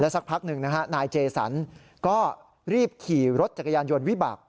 สักพักหนึ่งนะฮะนายเจสันก็รีบขี่รถจักรยานยนต์วิบาก